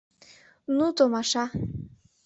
НУ, ТОМАША!